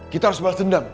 kita harus balas dendam